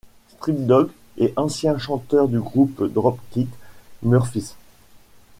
Street Dogs et ancien chanteur du groupe Dropkick Murphys.